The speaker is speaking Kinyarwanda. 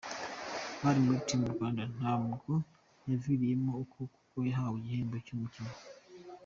bari muri Team Rwanda, ntabwo yaviriyemo aho kuko yahawe igihembo cy’umukinnyi